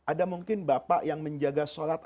ada mungkin bapak yang menjaga sholat